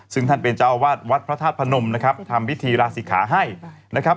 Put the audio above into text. ซึ่งท่านเป็นเจ้าอาวาสวัดพระธาตุพนมนะครับทำพิธีราศิขาให้นะครับ